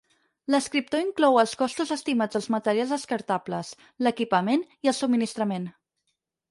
L'escriptor inclou els costos estimats dels materials descartables, l'equipament i el subministrament.